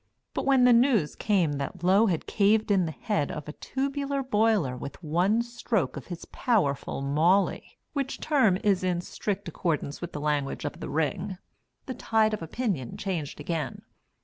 But when the news came that Low had caved in the head of a tubular boiler with one stroke of his powerful "mawley" (which term is in strict accordance with the language of the ring) the tide of opinion changed again.